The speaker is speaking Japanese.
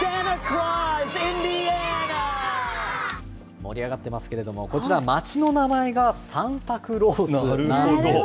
盛り上がってますけれども、こちら、町の名前がサンタクロースなんです。